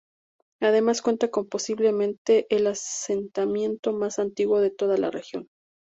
Además cuenta con, posiblemente el asentamiento más antiguo de toda la región.